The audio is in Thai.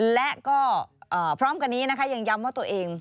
และก็พร้อมกันนี้นะคะยังย้ำว่าตัวเอง